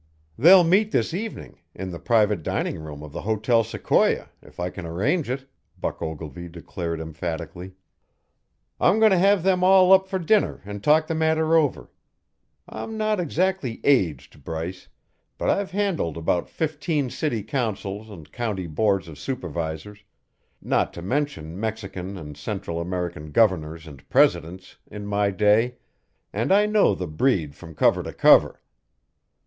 "They'll meet this evening in the private diningroom of the Hotel Sequoia, if I can arrange it," Buck Ogilvy declared emphatically. "I'm going to have them all up for dinner and talk the matter over. I'm not exactly aged, Bryce, but I've handled about fifteen city councils and county boards of supervisors, not to mention Mexican and Central American governors and presidents, in my day, and I know the breed from cover to cover.